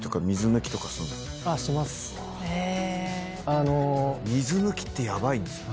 ３いく⁉水抜きってヤバいんですよ。